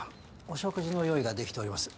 お食事の用意ができております。